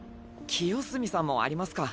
清澄さんもありますか。